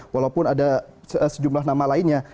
walaupun ada sejumlah nama lainnya